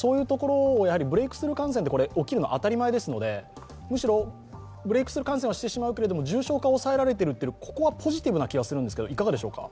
ブレークスルー感染が起きるのは当たり前ですのでむしろブレークスルー感染はしてしまうけれども、重症化は抑えられている、ここはポジティブな気がするんですけど、いかがでしょうか？